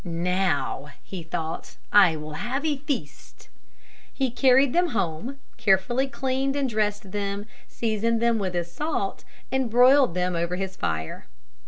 "Now," he thought, "I will have a feast." He carried them home, carefully cleaned and dressed them, seasoned them with his salt, and broiled them over his fire.